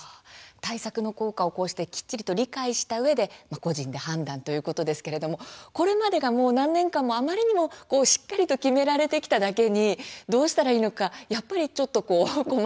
対策の効果をこうしてきっちりと理解したうえで個人で判断ということですけれどもこれまでが何年間が、あまりにもしっかりと決められてきただけにどうしたらいいのか、やっぱりちょっと困ってしまいますね。